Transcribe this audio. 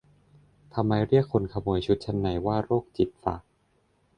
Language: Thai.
ทำไมเรียกคนขโมยชุดชั้นในว่า "โรคจิต" ฟะ